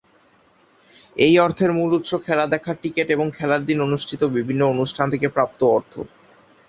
এই অর্থের মূল উৎস খেলা দেখার টিকেট এবং খেলার দিন অনুষ্ঠিত বিভিন্ন অনুষ্ঠান থেকে প্রাপ্ত অর্থ।